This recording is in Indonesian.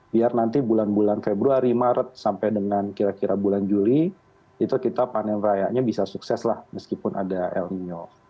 biar nanti bulan bulan februari maret sampai dengan kira kira bulan juli itu kita panen rayanya bisa sukses lah meskipun ada el nino